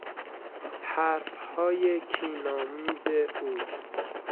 حرفهای کینآمیز او